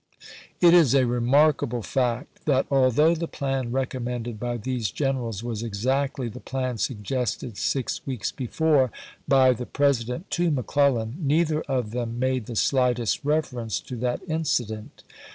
It is a remarkable fact that although the plan recommended by these generals was exactly the plan suggested six weeks before by the President to McClellan, neither of them made the slightest reference to that incident.